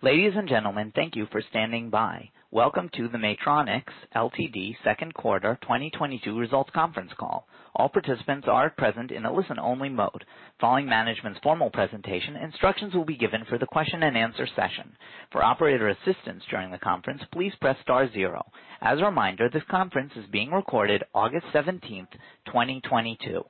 Ladies and gentlemen, thank you for standing by. Welcome to the Maytronics Ltd. second quarter 2022 results conference call. All participants are present in a listen-only mode. Following management's formal presentation, instructions will be given for the question and answer session. For operator assistance during the conference, please press star zero. As a reminder, this conference is being recorded August 17, 2022.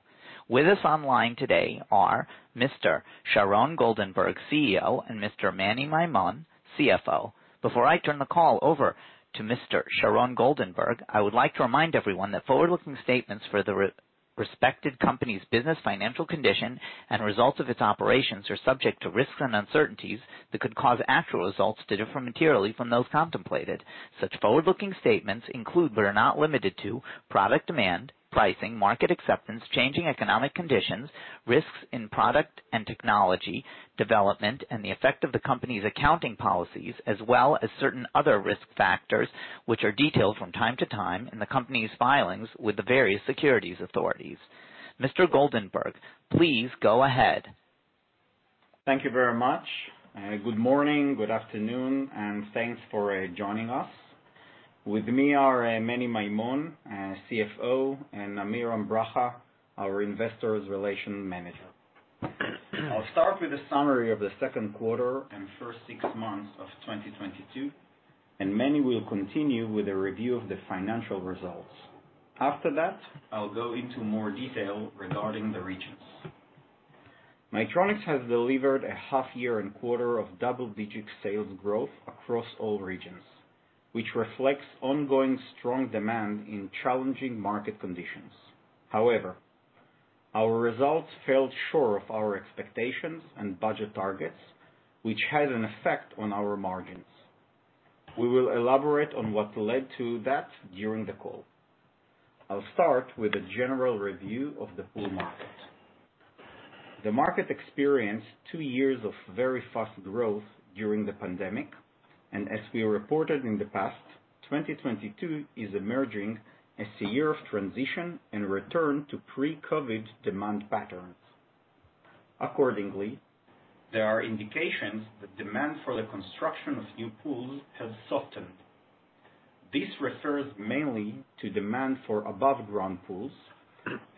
With us online today are Mr. Sharon Goldenberg, CEO, and Mr. Meni Maymon, CFO. Before I turn the call over to Mr. Sharon Goldenberg, I would like to remind everyone that forward-looking statements for the respective company's business, financial condition, and results of its operations are subject to risks and uncertainties that could cause actual results to differ materially from those contemplated. Such forward-looking statements include, but are not limited to, product demand, pricing, market acceptance, changing economic conditions, risks in product and technology development, and the effect of the company's accounting policies, as well as certain other risk factors, which are detailed from time to time in the company's filings with the various securities authorities. Mr. Goldenberg, please go ahead. Thank you very much. Good morning, good afternoon, and thanks for joining us. With me are Meni Maymon, CFO, and Amiram Bracha, our investor relations manager. I'll start with a summary of the second quarter and first six months of 2022, and Manny will continue with a review of the financial results. After that, I'll go into more detail regarding the regions. Maytronics has delivered a half year and quarter of double-digit sales growth across all regions, which reflects ongoing strong demand in challenging market conditions. However, our results fell short of our expectations and budget targets, which had an effect on our margins. We will elaborate on what led to that during the call. I'll start with a general review of the pool market. The market experienced two years of very fast growth during the pandemic, and as we reported in the past, 2022 is emerging as a year of transition and return to pre-COVID demand patterns. Accordingly, there are indications that demand for the construction of new pools has softened. This refers mainly to demand for above-ground pools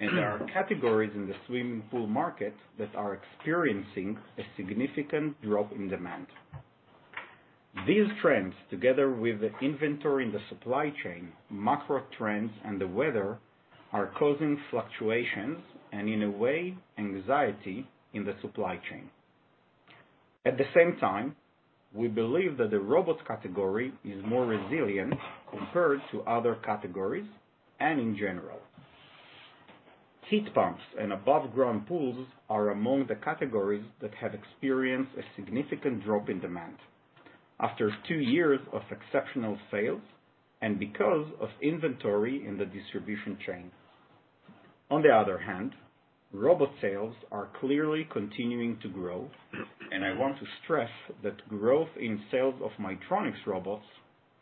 and there are categories in the swimming pool market that are experiencing a significant drop in demand. These trends, together with the inventory in the supply chain, macro trends and the weather, are causing fluctuations and, in a way, anxiety in the supply chain. At the same time, we believe that the robots category is more resilient compared to other categories and in general. Heat pumps and above-ground pools are among the categories that have experienced a significant drop in demand after two years of exceptional sales and because of inventory in the distribution chain. On the other hand, robot sales are clearly continuing to grow, and I want to stress that growth in sales of Maytronics robots,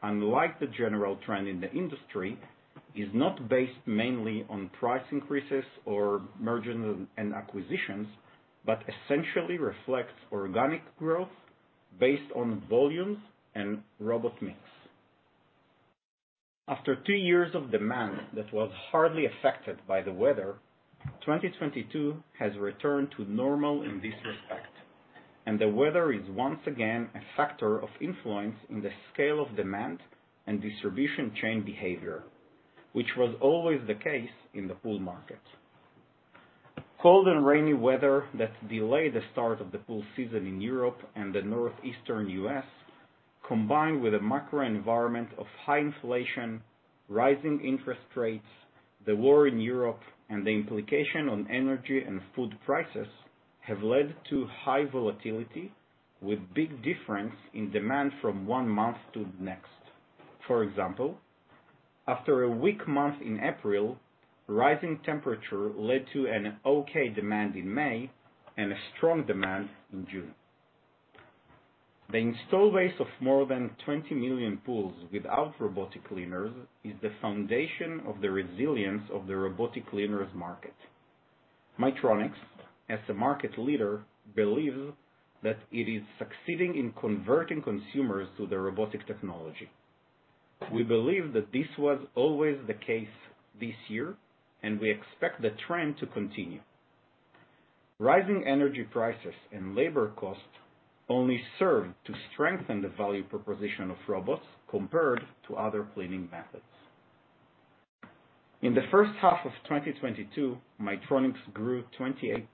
unlike the general trend in the industry, is not based mainly on price increases or mergers and acquisitions, but essentially reflects organic growth based on volumes and robot mix. After two years of demand that was hardly affected by the weather, 2022 has returned to normal in this respect, and the weather is once again a factor of influence in the scale of demand and distribution chain behavior, which was always the case in the pool market. Cold and rainy weather that delayed the start of the pool season in Europe and the Northeastern U.S., combined with a macro environment of high inflation, rising interest rates, the war in Europe, and the implication on energy and food prices, have led to high volatility, with big difference in demand from one month to the next. For example, after a weak month in April, rising temperature led to an okay demand in May and a strong demand in June. The install base of more than 20 million pools without robotic cleaners is the foundation of the resilience of the robotic cleaners market. Maytronics, as a market leader, believes that it is succeeding in converting consumers to the robotic technology. We believe that this was always the case this year, and we expect the trend to continue. Rising energy prices and labor costs only serve to strengthen the value proposition of robots compared to other cleaning methods. In the first half of 2022, Maytronics grew 28%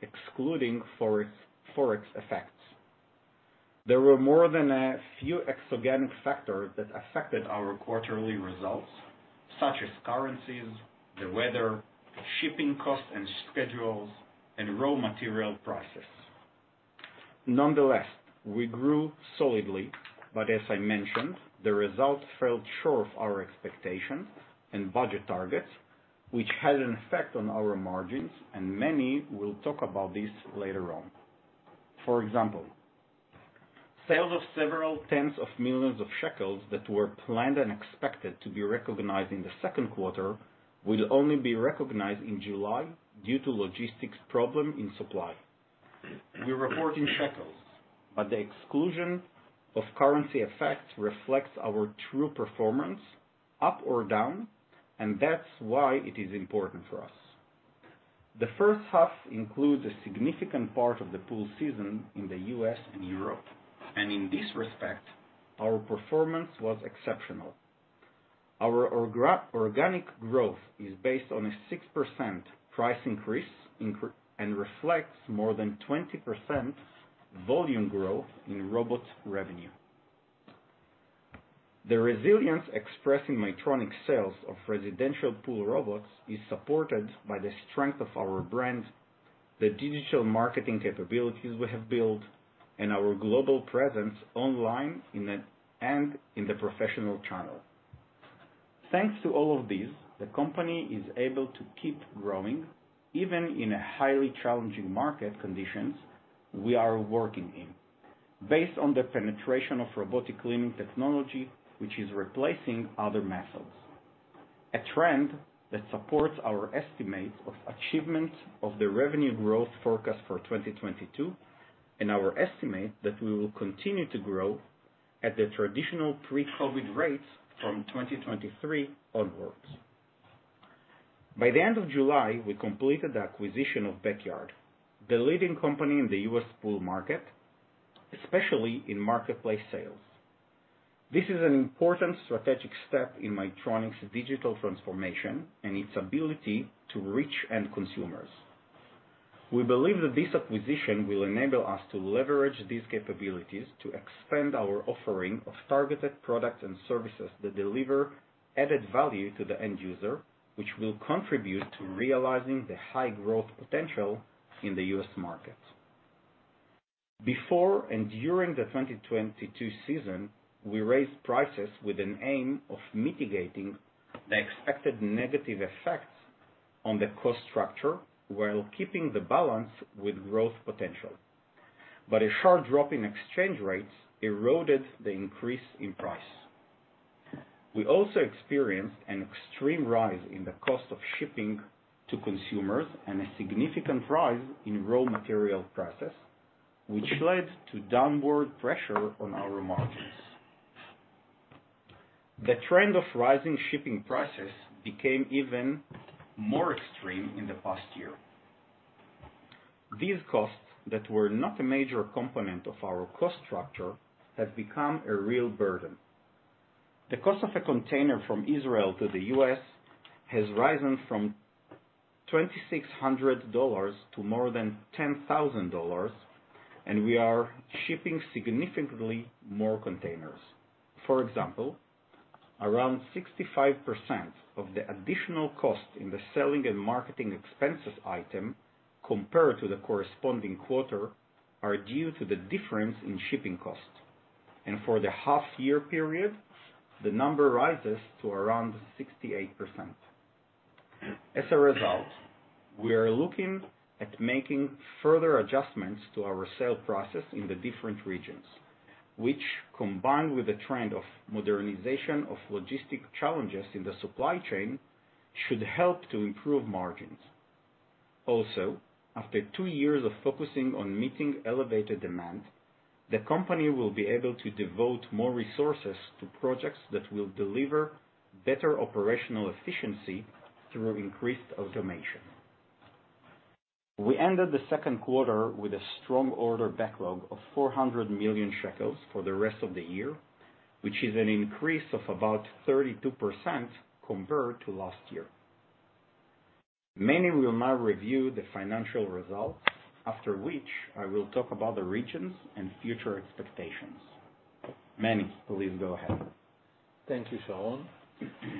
excluding Forex effects. There were more than a few exogenous factors that affected our quarterly results, such as currencies, the weather, shipping costs and schedules, and raw material prices. Nonetheless, we grew solidly, but as I mentioned, the results fell short of our expectations and budget targets, which had an effect on our margins, and Manny will talk about this later on. For example, sales of several tens of millions of ILS that were planned and expected to be recognized in the second quarter will only be recognized in July due to logistics problem in supply. We report in shekels, but the exclusion of currency effects reflects our true performance up or down, and that's why it is important for us. The first half includes a significant part of the pool season in the US and Europe, and in this respect, our performance was exceptional. Our organic growth is based on a 6% price increase and reflects more than 20% volume growth in robot revenue. The resilience expressing Maytronics sales of residential pool robots is supported by the strength of our brand, the digital marketing capabilities we have built, and our global presence online in the and in the professional channel. Thanks to all of this, the company is able to keep growing even in a highly challenging market conditions we are working in, based on the penetration of robotic cleaning technology, which is replacing other methods. A trend that supports our estimates of achievement of the revenue growth forecast for 2022 and our estimate that we will continue to grow at the traditional pre-COVID rates from 2023 onwards. By the end of July, we completed the acquisition of Backyard, the leading company in the U.S. pool market, especially in marketplace sales. This is an important strategic step in Maytronics' digital transformation and its ability to reach end consumers. We believe that this acquisition will enable us to leverage these capabilities to expand our offering of targeted products and services that deliver added value to the end user, which will contribute to realizing the high growth potential in the U.S. market. Before and during the 2022 season, we raised prices with an aim of mitigating the expected negative effects on the cost structure, while keeping the balance with growth potential. A sharp drop in exchange rates eroded the increase in price. We also experienced an extreme rise in the cost of shipping to consumers and a significant rise in raw material prices, which led to downward pressure on our margins. The trend of rising shipping prices became even more extreme in the past year. These costs, that were not a major component of our cost structure, have become a real burden. The cost of a container from Israel to the US has risen from $2,600 to more than $10,000, and we are shipping significantly more containers. For example, around 65% of the additional cost in the selling and marketing expenses item compared to the corresponding quarter are due to the difference in shipping costs. For the half year period, the number rises to around 68%. As a result, we are looking at making further adjustments to our sales process in the different regions, which, combined with the trend of modernization of logistical challenges in the supply chain, should help to improve margins. After 2 years of focusing on meeting elevated demand, the company will be able to devote more resources to projects that will deliver better operational efficiency through increased automation. We ended the second quarter with a strong order backlog of 400 million shekels for the rest of the year, which is an increase of about 32% compared to last year. Manny will now review the financial results, after which I will talk about the regions and future expectations. Manny, please go ahead. Thank you, Sharon.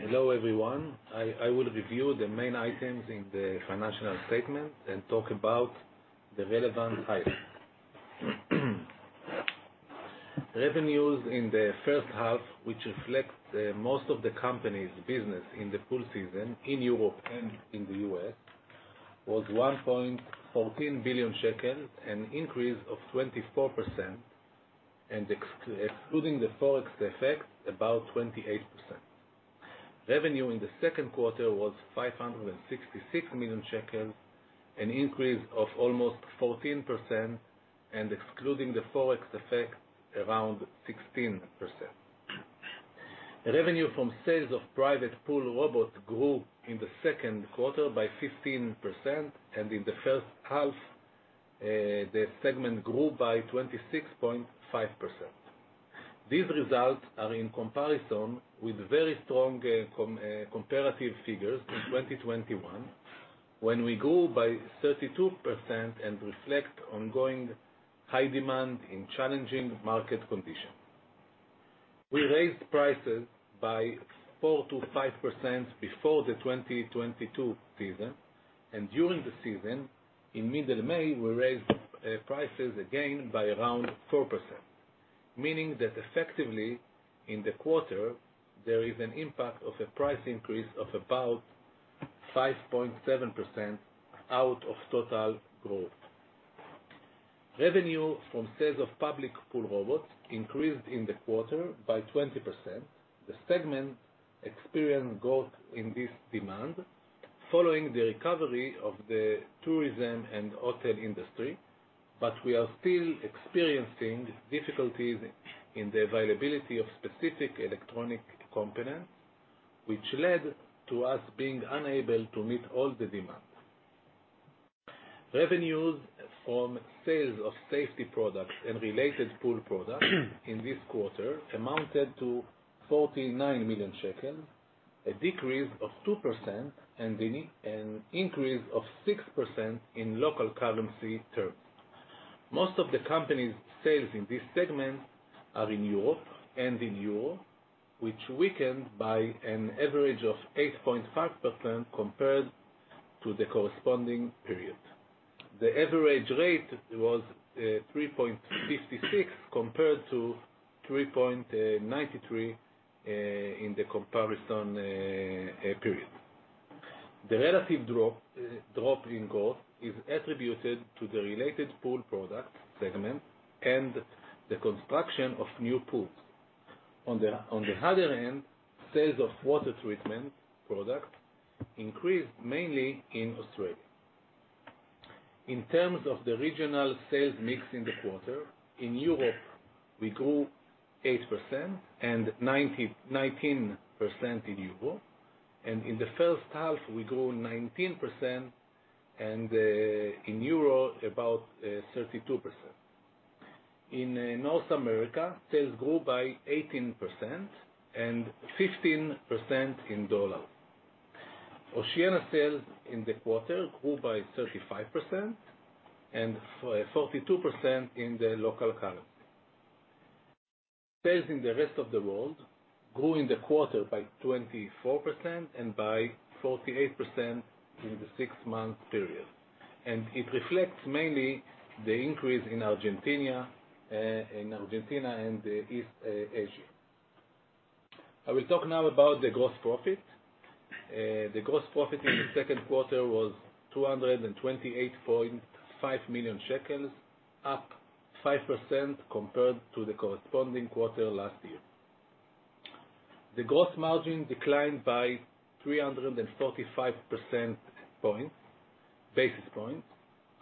Hello, everyone. I will review the main items in the financial statement and talk about the relevant items. Revenues in the first half, which reflects the most of the company's business in the pool season in Europe and in the US, was 1.14 billion shekel, an increase of 24%, and excluding the Forex effect, about 28%. Revenue in the second quarter was 566 million shekels, an increase of almost 14%, and excluding the Forex effect, around 16%. Revenue from sales of private pool robots grew in the second quarter by 15%, and in the first half, the segment grew by 26.5%. These results are in comparison with very strong, comparative figures in 2021, when we grew by 32% and reflect ongoing high demand in challenging market conditions. We raised prices by 4%-5% before the 2022 season. During the season, in mid-May, we raised prices again by around 4%, meaning that effectively, in the quarter, there is an impact of a price increase of about 5.7% out of total growth. Revenue from sales of public pool robots increased in the quarter by 20%. The segment experienced growth in this demand following the recovery of the tourism and hotel industry, but we are still experiencing difficulties in the availability of specific electronic components, which led to us being unable to meet all the demands. Revenues from sales of safety products and related pool products in this quarter amounted to 49 million shekels, a decrease of 2% and an increase of 6% in local currency terms. Most of the company's sales in this segment are in Europe and in euro, which weakened by an average of 8.5% compared to the corresponding period. The average rate was 3.56 compared to 3.93 in the comparison period. The relative drop in growth is attributed to the related pool product segment and the construction of new pools. On the other hand, sales of water treatment products increased mainly in Australia. In terms of the regional sales mix in the quarter, in Europe, we grew 8% and 19% in euro. In the first half, we grew 19% and in euro about 32%. In North America, sales grew by 18% and 15% in dollar. Oceania sales in the quarter grew by 35% and 42% in the local currency. Sales in the rest of the world grew in the quarter by 24% and by 48% in the six-month period. It reflects mainly the increase in Argentina and East Asia. I will talk now about the gross profit. The gross profit in the second quarter was 228.5 million shekels, up 5% compared to the corresponding quarter last year. The gross margin declined by 345 basis points.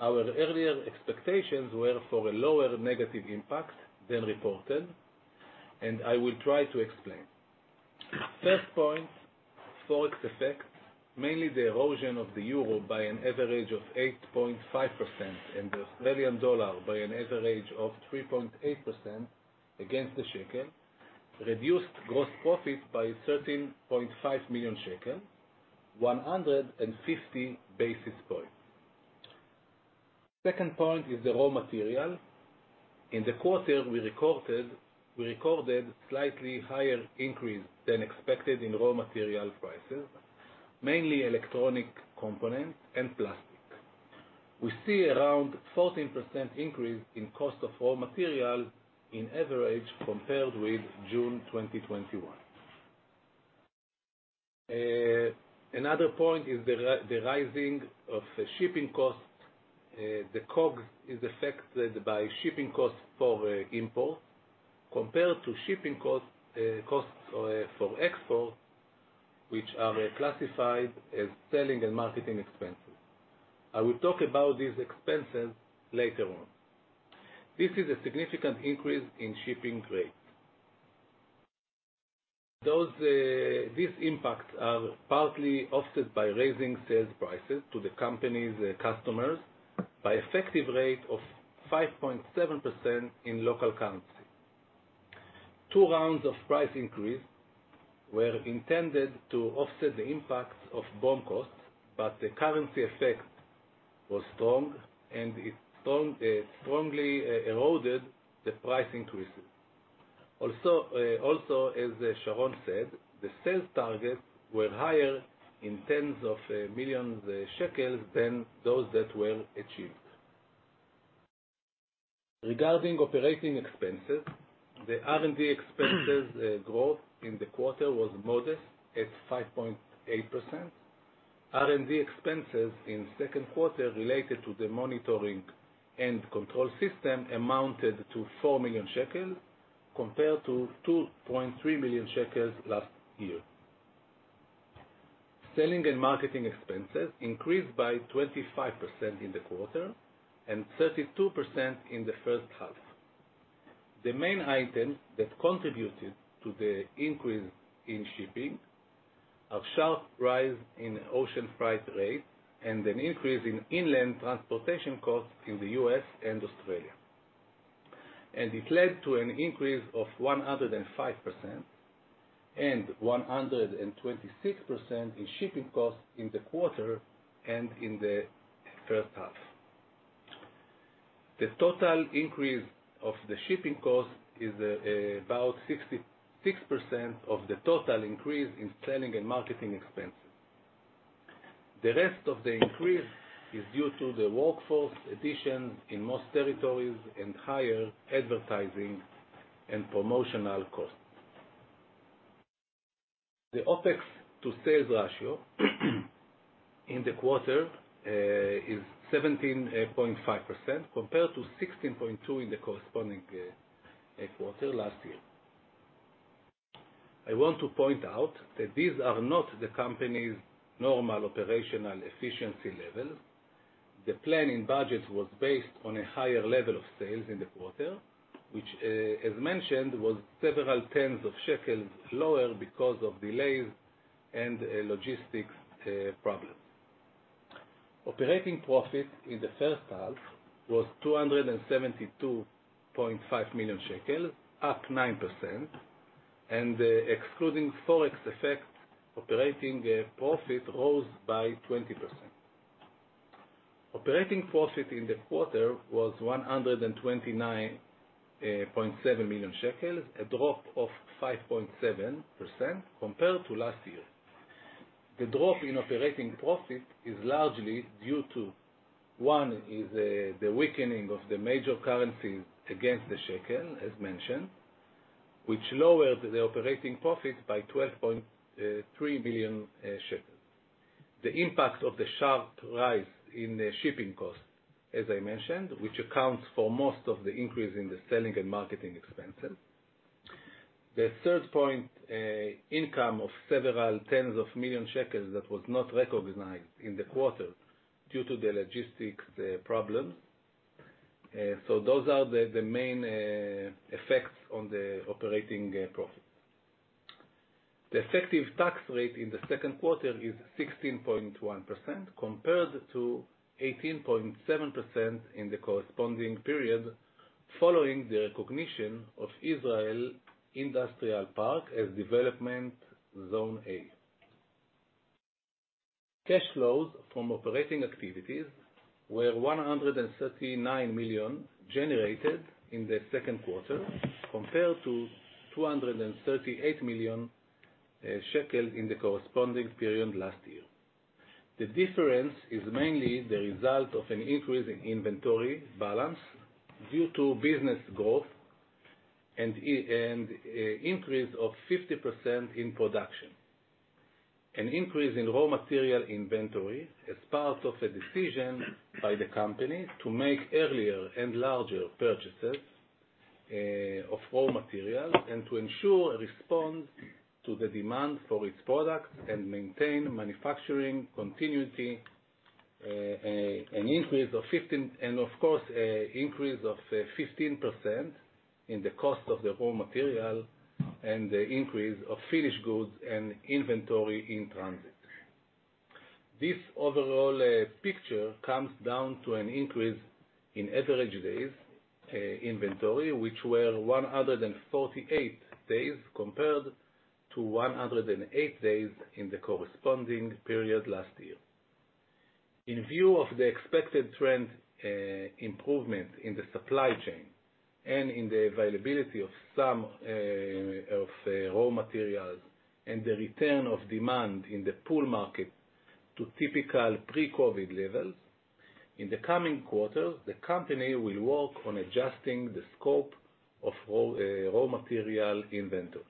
Our earlier expectations were for a lower negative impact than reported, and I will try to explain. First point, Forex effects, mainly the erosion of the euro by an average of 8.5% and the Australian dollar by an average of 3.8% against the shekel, reduced gross profit by 13.5 million shekel, 150 basis points. Second point is the raw material. In the quarter we recorded slightly higher increase than expected in raw material prices, mainly electronic components and plastic. We see around 14% increase in cost of raw material on average compared with June 2021. Another point is the rising of the shipping costs. The COGS is affected by shipping costs for import compared to shipping costs for export, which are classified as selling and marketing expenses. I will talk about these expenses later on. This is a significant increase in shipping rates. These impacts are partly offset by raising sales prices to the company's customers by effective rate of 5.7% in local currency. Two rounds of price increase were intended to offset the impact of BOM costs, but the currency effect was strong, and it strongly eroded the price increases. Also, as Sharon said, the sales targets were higher by tens of millions of ILS than those that were achieved. Regarding operating expenses, the R&D expenses growth in the quarter was modest at 5.8%. R&D expenses in second quarter related to the monitoring and control system amounted to 4 million shekels compared to 2.3 million shekels last year. Selling and marketing expenses increased by 25% in the quarter and 32% in the first half. The main items that contributed to the increase in shipping, a sharp rise in ocean freight rate and an increase in inland transportation costs in the U.S. and Australia. It led to an increase of 105% and 126% in shipping costs in the quarter and in the first half. The total increase of the shipping cost is about 66% of the total increase in selling and marketing expenses. The rest of the increase is due to the workforce addition in most territories and higher advertising and promotional costs. The OpEx to sales ratio in the quarter is 17.5% compared to 16.2% in the corresponding quarter last year. I want to point out that these are not the company's normal operational efficiency levels. The planning budget was based on a higher level of sales in the quarter, which as mentioned, was several tens of shekels lower because of delays and logistics problems. Operating profit in the first half was 272.5 million shekels, up 9%, and excluding Forex effects, operating profit rose by 20%. Operating profit in the quarter was 129.7 million shekels, a drop of 5.7% compared to last year. The drop in operating profit is largely due to the weakening of the major currencies against the shekel, as mentioned, which lowered the operating profit by 12.3 million shekels. The impact of the sharp rise in the shipping cost, as I mentioned, which accounts for most of the increase in the selling and marketing expenses. The third point, income of several tens of million ILS that was not recognized in the quarter due to the logistics problems. Those are the main effects on the operating profit. The effective tax rate in the second quarter is 16.1% compared to 18.7% in the corresponding period, following the recognition of Yizre'el Industrial Park as Development Zone A. Cash flows from operating activities were 139 million generated in the second quarter compared to 238 million shekels in the corresponding period last year. The difference is mainly the result of an increase in inventory balance due to business growth and increase of 50% in production. An increase in raw material inventory as part of a decision by the company to make earlier and larger purchases, of raw materials, and to ensure a response to the demand for its products and maintain manufacturing continuity. An increase of 15% in the cost of the raw material and the increase of finished goods and inventory in transit. This overall picture comes down to an increase in average days inventory, which were 148 days, compared to 108 days in the corresponding period last year. In view of the expected trend, improvement in the supply chain and in the availability of some, of, raw materials, and the return of demand in the pool market to typical pre-COVID levels. In the coming quarters, the company will work on adjusting the scope of raw material inventory.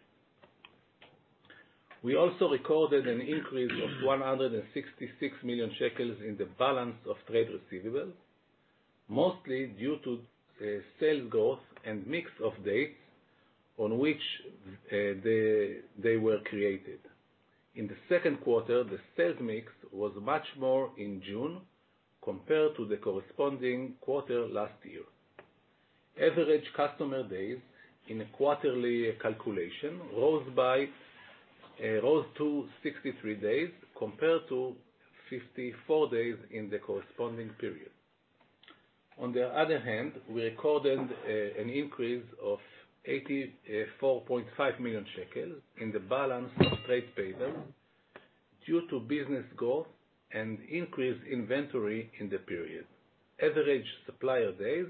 We also recorded an increase of 166 million shekels in the balance of trade receivables, mostly due to sales growth and mix of dates on which they were created. In the second quarter, the sales mix was much more in June compared to the corresponding quarter last year. Average customer days in a quarterly calculation rose to 63 days compared to 54 days in the corresponding period. On the other hand, we recorded an increase of 84.5 million shekels in the balance of trade payables due to business growth and increased inventory in the period. Average supplier days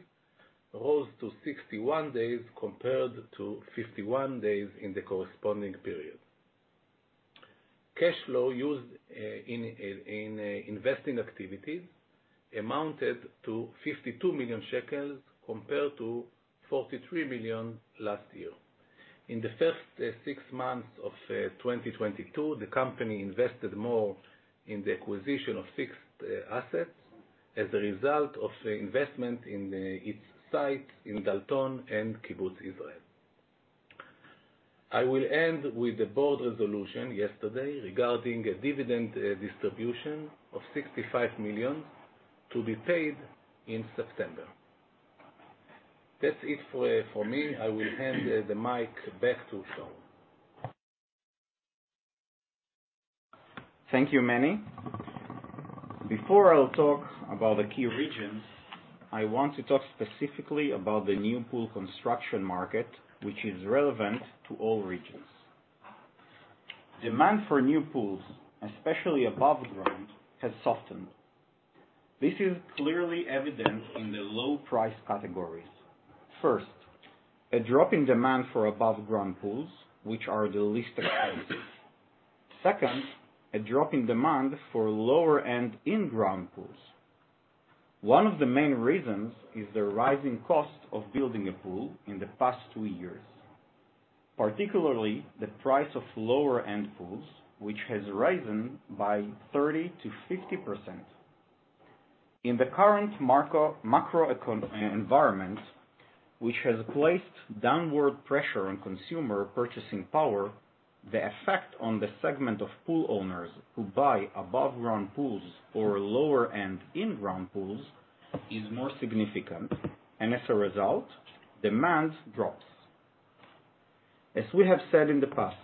rose to 61 days compared to 51 days in the corresponding period. Cash flow used in investing activities amounted to 52 million shekels compared to 43 million last year. In the first six months of 2022, the company invested more in the acquisition of fixed assets as a result of the investment in its sites in Dalton and Kibbutz Yizre'el. I will end with the board resolution yesterday regarding a dividend distribution of 65 million to be paid in September. That's it for me. I will hand the mic back to Sharon. Thank you, Manny. Before I'll talk about the key regions, I want to talk specifically about the new pool construction market, which is relevant to all regions. Demand for new pools, especially above ground, has softened. This is clearly evident in the low price categories. First, a drop in demand for above ground pools, which are the least expensive. Second, a drop in demand for lower end in-ground pools. One of the main reasons is the rising cost of building a pool in the past two years, particularly the price of lower end pools, which has risen by 30%-50%. In the current macroeconomic environment, which has placed downward pressure on consumer purchasing power, the effect on the segment of pool owners who buy above-ground pools or lower-end in-ground pools is more significant, and as a result, demand drops. As we have said in the past,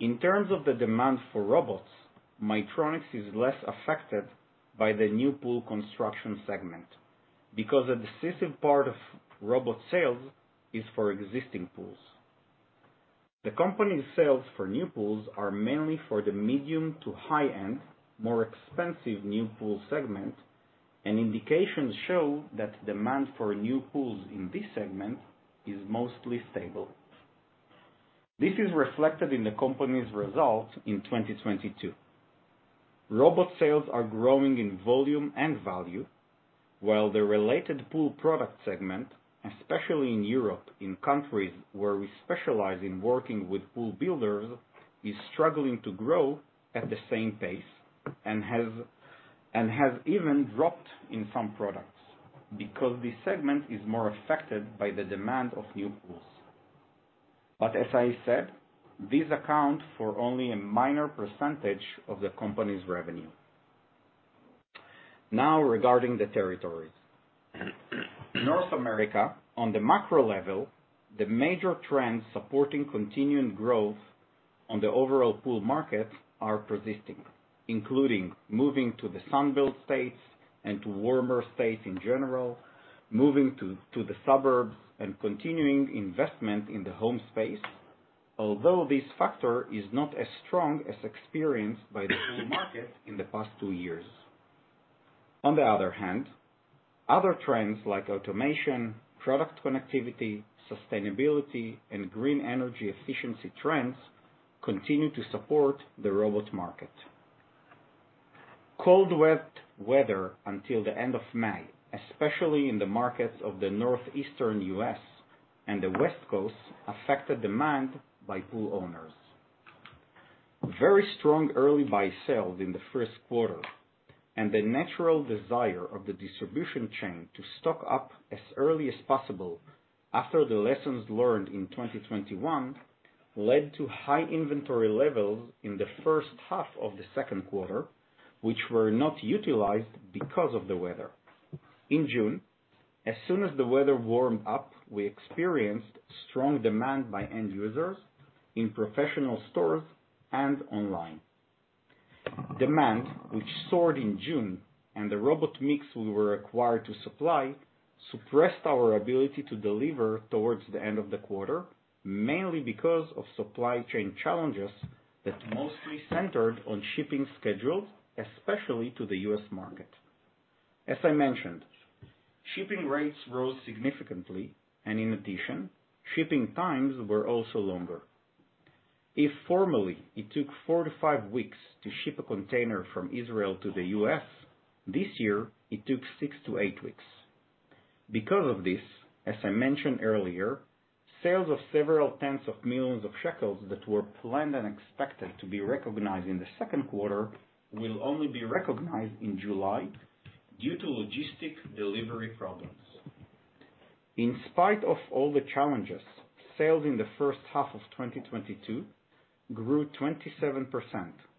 in terms of the demand for robots, Maytronics is less affected by the new pool construction segment, because a decisive part of robot sales is for existing pools. The company's sales for new pools are mainly for the medium to high-end, more expensive new pool segment, and indications show that demand for new pools in this segment is mostly stable. This is reflected in the company's results in 2022. Robot sales are growing in volume and value, while the related pool product segment, especially in Europe, in countries where we specialize in working with pool builders, is struggling to grow at the same pace and has even dropped in some products because this segment is more affected by the demand of new pools. As I said, these account for only a minor percentage of the company's revenue. Now regarding the territories. North America, on the macro level, the major trends supporting continuing growth on the overall pool market are persisting, including moving to the Sun Belt states and to warmer states in general, moving to the suburbs and continuing investment in the home space, although this factor is not as strong as experienced by the pool market in the past two years. On the other hand, other trends like automation, product connectivity, sustainability, and green energy efficiency trends continue to support the robot market. Cold wet weather until the end of May, especially in the markets of the northeastern U.S. and the West Coast, affected demand by pool owners. Very strong early buy sales in the first quarter and the natural desire of the distribution chain to stock up as early as possible after the lessons learned in 2021, led to high inventory levels in the first half of the second quarter, which were not utilized because of the weather. In June, as soon as the weather warmed up, we experienced strong demand by end users in professional stores and online. Demand, which soared in June, and the robot mix we were required to supply, suppressed our ability to deliver towards the end of the quarter, mainly because of supply chain challenges that mostly centered on shipping schedules, especially to the U.S. market. As I mentioned, shipping rates rose significantly, and in addition, shipping times were also longer. It formerly took 4-5 weeks to ship a container from Israel to the US, this year it took 6-8 weeks. Because of this, as I mentioned earlier, sales of several tens of millions ILS that were planned and expected to be recognized in the second quarter will only be recognized in July due to logistical delivery problems. In spite of all the challenges, sales in the first half of 2022 grew 27%,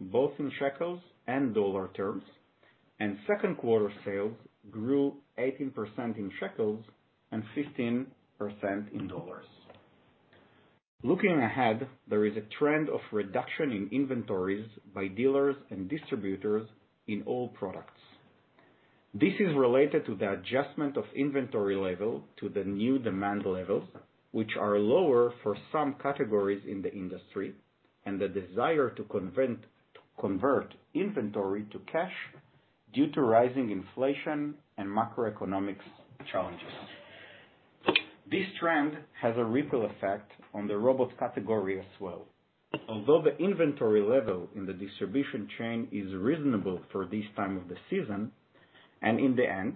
both in shekels and dollar terms, and second quarter sales grew 18% in shekels and 15% in dollars. Looking ahead, there is a trend of reduction in inventories by dealers and distributors in all products. This is related to the adjustment of inventory level to the new demand levels, which are lower for some categories in the industry, and the desire to convert inventory to cash due to rising inflation and macroeconomic challenges. This trend has a ripple effect on the robot category as well. Although the inventory level in the distribution chain is reasonable for this time of the season, and in the end,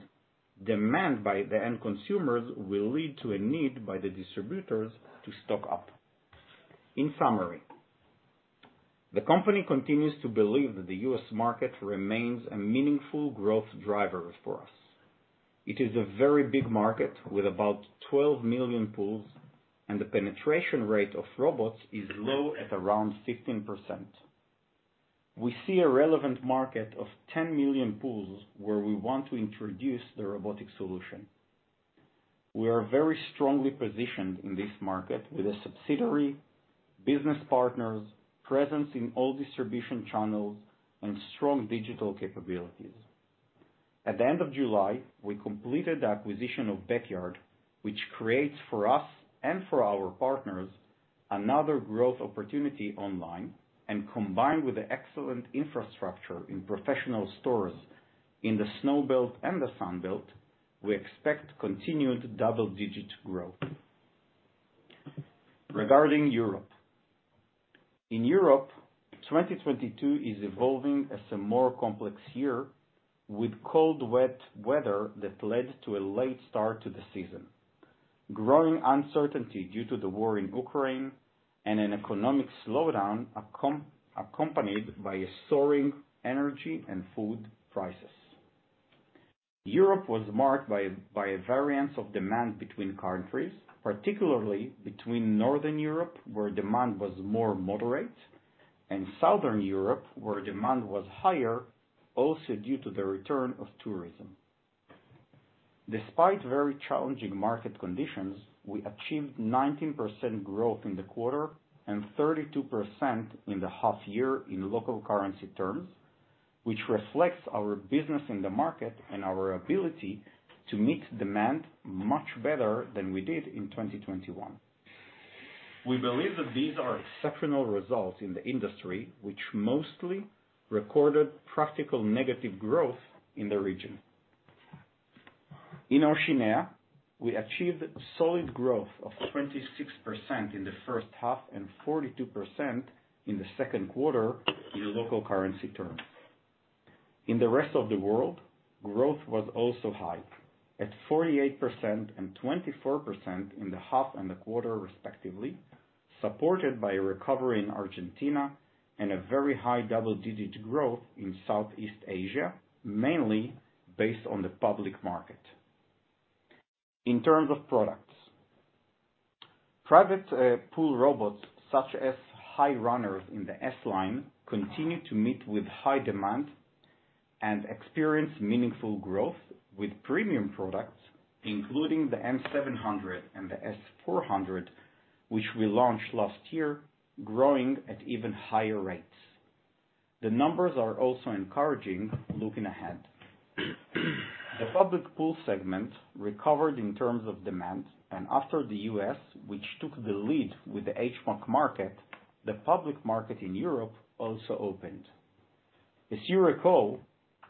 demand by the end consumers will lead to a need by the distributors to stock up. In summary, the company continues to believe that the U.S. market remains a meaningful growth driver for us. It is a very big market with about 12 million pools and the penetration rate of robots is low at around 15%. We see a relevant market of 10 million pools where we want to introduce the robotic solution. We are very strongly positioned in this market with a subsidiary, business partners, presence in all distribution channels, and strong digital capabilities. At the end of July, we completed the acquisition of Backyard, which creates for us and for our partners another growth opportunity online, and combined with the excellent infrastructure in professional stores in the Snow Belt and the Sun Belt, we expect continued double-digit growth. Regarding Europe. In Europe, 2022 is evolving as a more complex year with cold, wet weather that led to a late start to the season. Growing uncertainty due to the war in Ukraine and an economic slowdown accompanied by soaring energy and food prices. Europe was marked by a variance of demand between countries, particularly between Northern Europe, where demand was more moderate, and Southern Europe, where demand was higher, also due to the return of tourism. Despite very challenging market conditions, we achieved 19% growth in the quarter and 32% in the half year in local currency terms, which reflects our business in the market and our ability to meet demand much better than we did in 2021. We believe that these are exceptional results in the industry, which mostly recorded practically negative growth in the region. In Oceania, we achieved solid growth of 26% in the first half and 42% in the second quarter in local currency terms. In the rest of the world, growth was also high at 48% and 24% in the half and the quarter respectively, supported by a recovery in Argentina and a very high double-digit growth in Southeast Asia, mainly based on the public market. In terms of products. Private pool robots such as high runners in the S Line continue to meet with high demand and experience meaningful growth with premium products, including the M700 and the S400, which we launched last year, growing at even higher rates. The numbers are also encouraging looking ahead. The public pool segment recovered in terms of demand, and after the US, which took the lead with the H-mark market, the public market in Europe also opened. As you recall,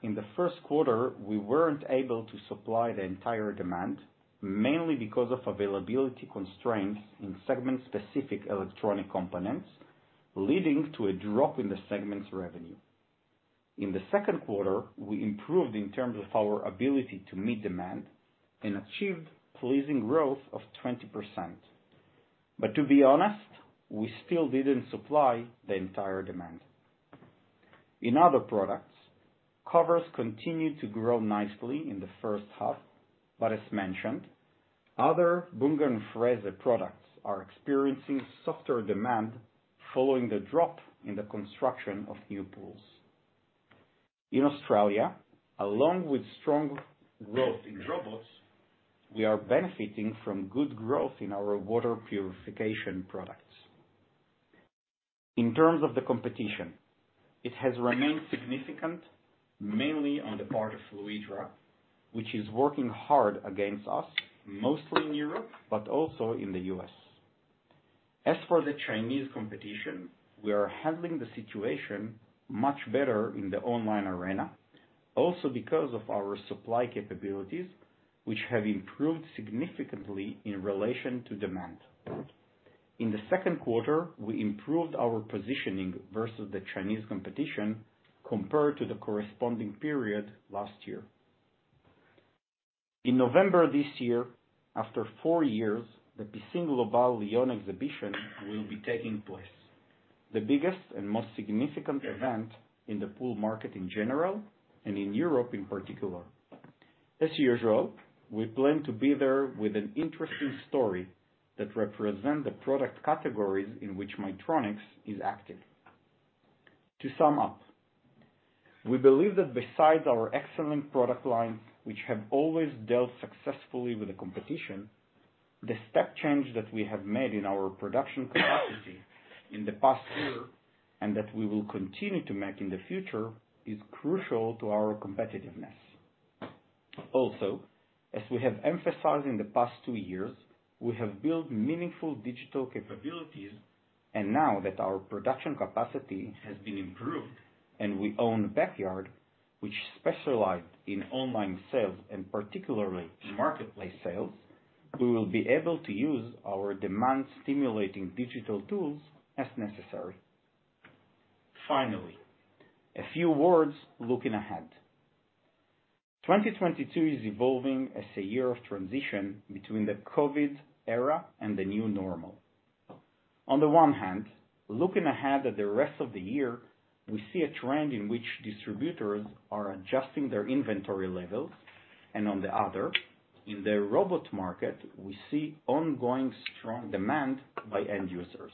in the first quarter, we weren't able to supply the entire demand, mainly because of availability constraints in segment-specific electronic components, leading to a drop in the segment's revenue. In the second quarter, we improved in terms of our ability to meet demand and achieved pleasing growth of 20%. To be honest, we still didn't supply the entire demand. In other products, covers continued to grow nicely in the first half, but as mentioned, other Bünger & Frese products are experiencing softer demand following the drop in the construction of new pools. In Australia, along with strong growth in robots, we are benefiting from good growth in our water purification products. In terms of the competition, it has remained significant mainly on the part of Fluidra, which is working hard against us, mostly in Europe, but also in the U.S. As for the Chinese competition, we are handling the situation much better in the online arena, also because of our supply capabilities, which have improved significantly in relation to demand. In the second quarter, we improved our positioning versus the Chinese competition compared to the corresponding period last year. In November this year, after four years, the Piscine Global Europe exhibition will be taking place. The biggest and most significant event in the pool market in general and in Europe in particular. As usual, we plan to be there with an interesting story that represents the product categories in which Maytronics is active. To sum up, we believe that besides our excellent product lines, which have always dealt successfully with the competition, the step change that we have made in our production capacity in the past year and that we will continue to make in the future, is crucial to our competitiveness. Also, as we have emphasized in the past two years, we have built meaningful digital capabilities, and now that our production capacity has been improved and we own Backyard, which specializes in online sales and particularly in marketplace sales, we will be able to use our demand-stimulating digital tools as necessary. Finally, a few words looking ahead. 2022 is evolving as a year of transition between the COVID era and the new normal. On the one hand, looking ahead at the rest of the year, we see a trend in which distributors are adjusting their inventory levels, and on the other, in the robot market, we see ongoing strong demand by end users.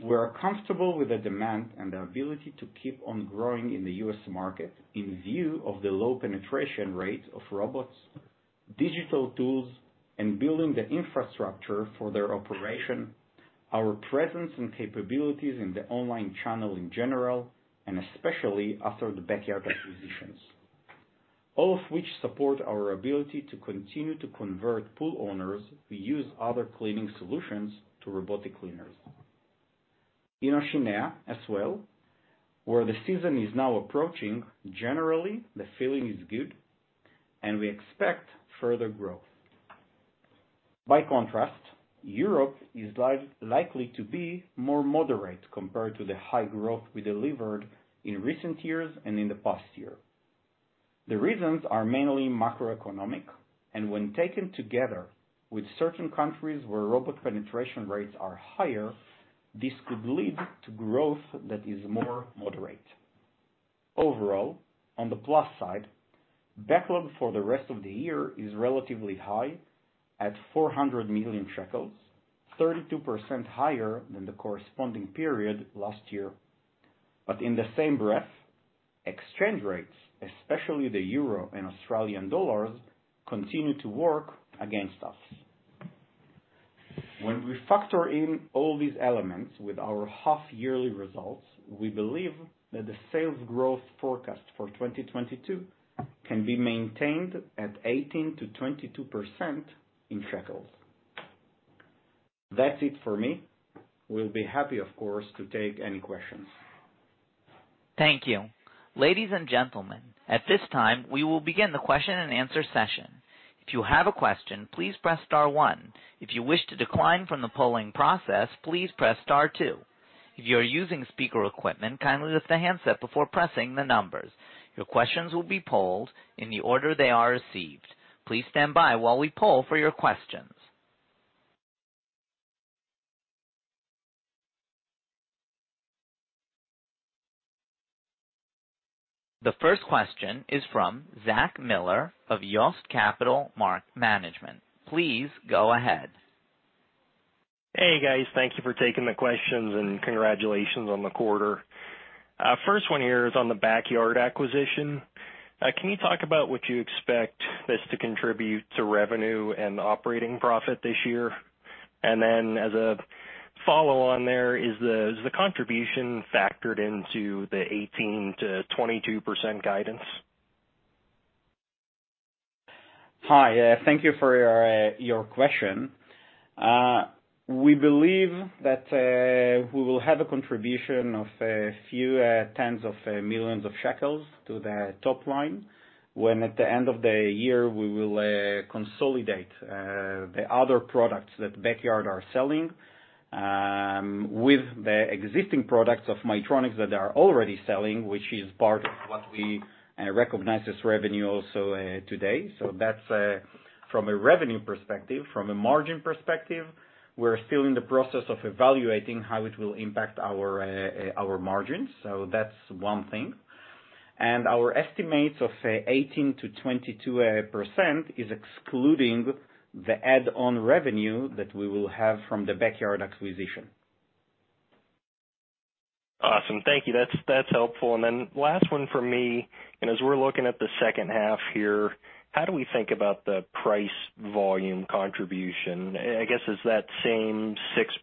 We're comfortable with the demand and the ability to keep on growing in the U.S. market in view of the low penetration rate of robots, digital tools, and building the infrastructure for their operation, our presence and capabilities in the online channel in general, and especially after the Backyard acquisitions. All of which support our ability to continue to convert pool owners who use other cleaning solutions to robotic cleaners. In Oceania as well, where the season is now approaching, generally, the feeling is good, and we expect further growth. By contrast, Europe is likely to be more moderate compared to the high growth we delivered in recent years and in the past year. The reasons are mainly macroeconomic, and when taken together with certain countries where robot penetration rates are higher, this could lead to growth that is more moderate. Overall, on the plus side, backlog for the rest of the year is relatively high at 400 million shekels, 32% higher than the corresponding period last year. In the same breath, exchange rates, especially the euro and the Australian dollar, continue to work against us. When we factor in all these elements with our half-yearly results, we believe that the sales growth forecast for 2022 can be maintained at 18%-22% in shekels. That's it for me. We'll be happy, of course, to take any questions. Thank you. Ladies and gentlemen, at this time, we will begin the question and answer session. If you have a question, please press star one. If you wish to decline from the polling process, please press star two. If you are using speaker equipment, kindly lift the handset before pressing the numbers. Your questions will be polled in the order they are received. Please stand by while we poll for your questions. The first question is from Zach Miller of Yost Capital Management. Please go ahead. Hey, guys. Thank you for taking the questions, and congratulations on the quarter. First one here is on the Backyard acquisition. Can you talk about what you expect this to contribute to revenue and operating profit this year? Then as a follow on there, is the contribution factored into the 18%-22% guidance? Hi. Thank you for your question. We believe that we will have a contribution of a few tens of millions ILS to the top line when at the end of the year we will consolidate the other products that Backyard are selling with the existing products of Maytronics that they are already selling, which is part of what we recognize as revenue also today. That's from a revenue perspective. From a margin perspective, we're still in the process of evaluating how it will impact our margins. That's one thing. Our estimates of 18%-22% is excluding the add-on revenue that we will have from the Backyard acquisition. Awesome. Thank you. That's helpful. Then last one from me, and as we're looking at the second half here, how do we think about the price volume contribution? I guess, is that same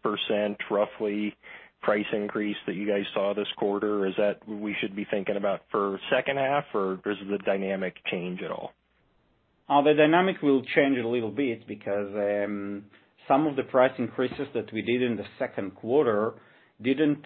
6% roughly price increase that you guys saw this quarter, is that what we should be thinking about for second half or does the dynamic change at all? The dynamic will change a little bit because some of the price increases that we did in the second quarter didn't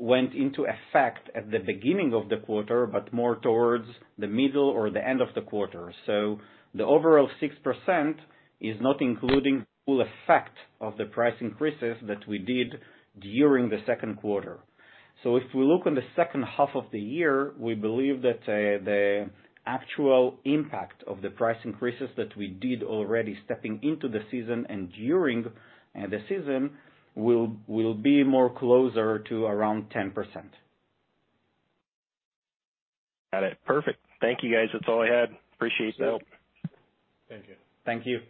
went into effect at the beginning of the quarter, but more towards the middle or the end of the quarter. The overall 6% is not including full effect of the price increases that we did during the second quarter. If we look on the second half of the year, we believe that the actual impact of the price increases that we did already stepping into the season and during the season will be more closer to around 10%. Got it. Perfect. Thank you, guys. That's all I had. Appreciate the help. Thank you. Thank you.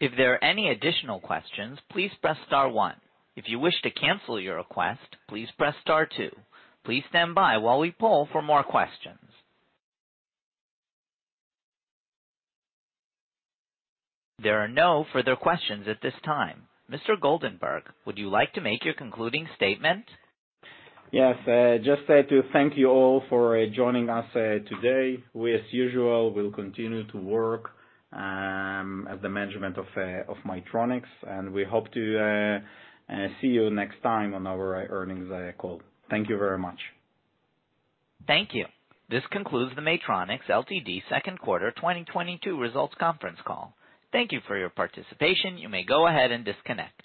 If there are any additional questions, please press star one. If you wish to cancel your request, please press star two. Please stand by while we poll for more questions. There are no further questions at this time. Mr. Goldenberg, would you like to make your concluding statement? Yes. Just to say thank you all for joining us today. We, as usual, will continue to work as the management of Maytronics, and we hope to see you next time on our earnings call. Thank you very much. Thank you. This concludes the Maytronics Ltd. second quarter 2022 results conference call. Thank you for your participation. You may go ahead and disconnect.